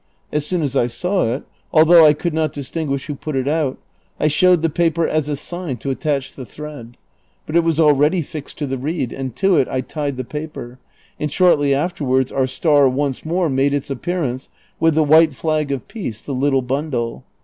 As soon as I saw it, although T could not distinguish who i)ut it out, I showed the paper as a sign to attach the thread, l)ut it was already tixed to the reed, and to it I tied the i^aper ; and shortly afterwards our star once more made its appearance with the white tlag of peace, the little bundle.